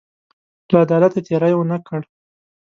له عدالته تېری ونه کړ.